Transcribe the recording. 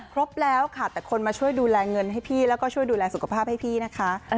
ครบแล้วค่ะแต่คนมาช่วยดูแลเงินให้พี่แล้วก็ช่วยดูแลสุขภาพให้พี่นะคะ